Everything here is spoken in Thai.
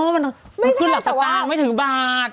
มันขึ้นหลักสตางค์ไม่ถือบาท